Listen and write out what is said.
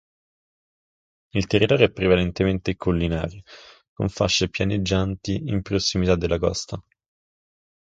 Il territorio è prevalentemente collinare con fasce pianeggianti in prossimità della costa.